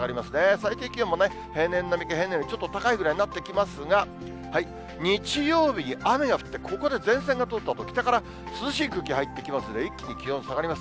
最低気温もね、平年並みか、平年よりちょっと高いぐらいになってきますが、日曜日に雨が降って、ここで前線が通ったあと、北から涼しい空気入ってきますので、一気に気温下がります。